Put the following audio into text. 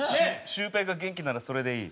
「シュウペイが元気ならそれでいい」。